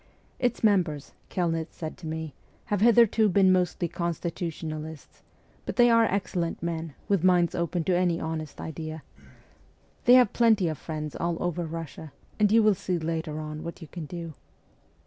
' Its members,' Kelnitz said to me, ' have hitherto been mostly constitutionalists; but they are excellent men, with minds open to any honest idea; they have plenty of friends all over Eussia, and you will see later on what you can do.'